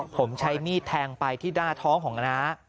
ผมใช้มีดแทงไปที่หน้าท้องของน้า